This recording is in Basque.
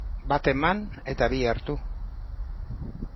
Bat eman eta bi hartu.